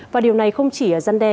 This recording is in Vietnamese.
và điều này không chỉ gian đe